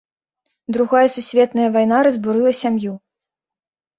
Другая сусветная вайна разбурыла сям'ю.